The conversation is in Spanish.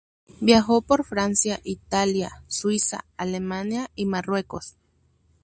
Viajó por Francia, Italia, Suiza, Alemania y Marruecos.